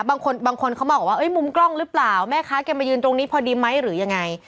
บางคนบางคนเขามองว่ามุมกล้องหรือเปล่าแม่ค้าแกมายืนตรงนี้พอดีไหมหรือยังไง